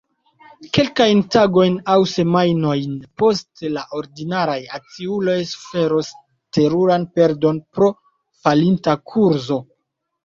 Kelkajn tagojn aŭ semajnojn poste la ordinaraj akciuloj suferos teruran perdon pro falinta kurzo.